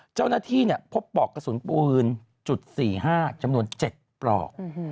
เจ้าหน้าที่พบปลอกกระสุนปืนจุด๔๕จำนวน๗ปลอก